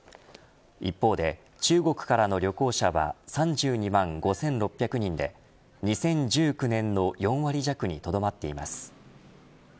一方で、中国からの旅行者は３２万５６００人で２０１９年の４割弱にとどまっています。